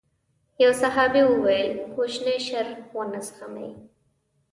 يو صحابي وويل کوچنی شر ونه زغمي.